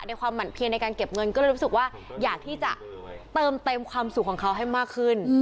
ความหมั่นเพียนในการเก็บเงินก็เลยรู้สึกว่าอยากที่จะเติมเต็มความสุขของเขาให้มากขึ้น